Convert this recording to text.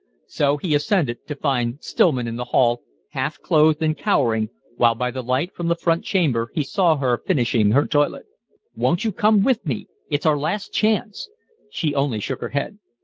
So he ascended, to find Stillman in the hall, half clothed and cowering, while by the light from the front chamber he saw her finishing her toilet. "Won't you come with me it's our last chance?" She only shook her head.